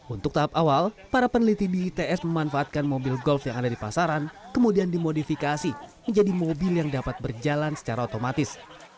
untuk tahap awal para peneliti di its memanfaatkan mobil golf yang ada di pasaran kemudian dimodifikasi menjadi mobil yang dapat berjalan secara otomatis